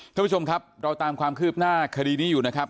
ท่านผู้ชมครับเราตามความคืบหน้าคดีนี้อยู่นะครับ